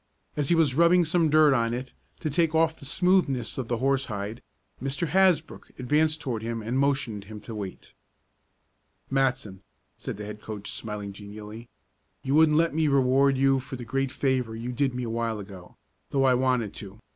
As he was rubbing some dirt on it, to take off the smoothness of the horsehide, Mr. Hasbrook advanced toward him and motioned him to wait. "Matson," said the head coach, smiling genially. "You wouldn't let me reward you for the great favor you did me a while ago, though I wanted to.